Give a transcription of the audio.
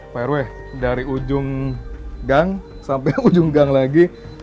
pak rw dari ujung gang sampai ujung gang lagi